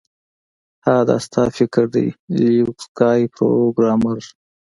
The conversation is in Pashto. ها دا ستا فکر دی لیوک سکای پروګرامر